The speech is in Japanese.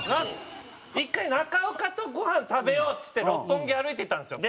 １回中岡と「ごはん食べよう」っつって六本木歩いてたんですよ。